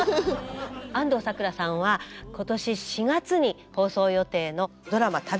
安藤サクラさんは今年４月に放送予定のドラマ